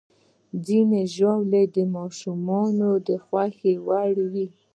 ځینې ژاولې د ماشومانو د خوښې وړ وي.